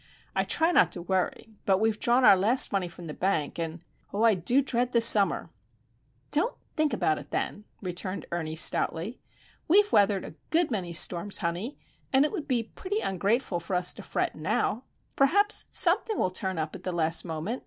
I try not to worry; but we have drawn our last money from the bank, and, oh, I do dread the summer!" "Don't think about it, then," returned Ernie, stoutly. "We've weathered a good many storms, honey, and it would be pretty ungrateful for us to fret now. Perhaps something will turn up at the last moment.